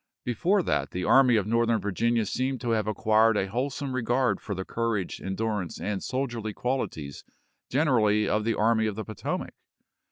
Before that the Army of Northern Virginia seemed to have acquired a wholesome regard for the courage, endurance, and soldierly qualities generally of the Army of the Potomac.